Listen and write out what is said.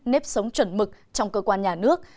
nếp sống chuẩn mực trong cơ quan nhà nước